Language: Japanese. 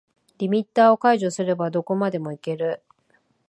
リミッターを解除すればどこまでもいける